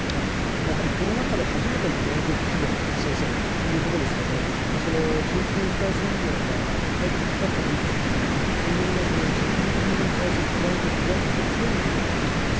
やはりコロナ禍で初めての全国規模の国政選挙ということですので、その緊急事態宣言が解除されたとはいえ、国民の先行きに対する不安というのは依然として、強いと言えると思います。